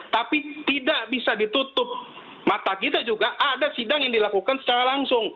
tapi tidak bisa ditutup mata kita juga ada sidang yang dilakukan secara langsung